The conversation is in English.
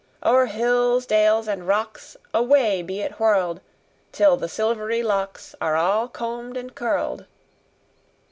O'er hills, dales, and rocks, Away be it whirl'd Till the silvery locks Are all comb'd and curl'd!